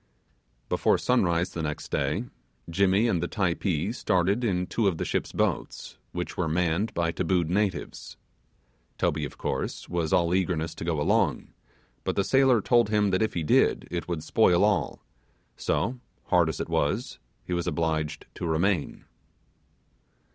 Before sun rise the next day, Jimmy and the Typee started in two of the ship's boats, which were manned by tabooed natives. Toby, of course, was all eagerness to go along, but the sailor told him that if he did, it would spoil all; so, hard as it was, he was obliged to remain.